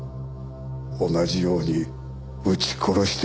同じように撃ち殺してしまいたい。